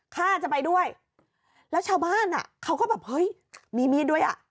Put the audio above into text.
ข้าจะไปด้วยแล้วชาวบ้านอ่ะเขาก็แบบเฮ้ยมีมีดด้วยอ่ะ